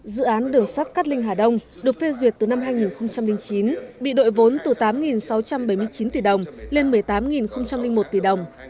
dự án đường sắt cát linh hà đông được phê duyệt từ năm hai nghìn chín bị đội vốn từ tám sáu trăm bảy mươi chín tỷ đồng lên một mươi tám một tỷ đồng